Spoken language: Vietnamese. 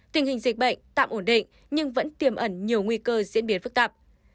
tình hình dịch bệnh tạm ổn định nhưng vẫn tiềm ẩn nhiều nguy cơ diễn biến phức tạp